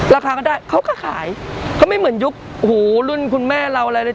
ราคาก็ได้เขาก็ขายก็ไม่เหมือนยุคหูรุ่นคุณแม่เราอะไรเลย